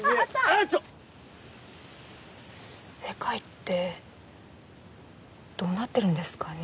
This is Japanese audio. あっちょっ世界ってどうなってるんですかね？